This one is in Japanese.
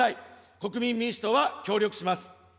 国民民主党は協力します。